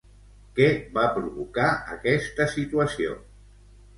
Què va provocar aquesta situació?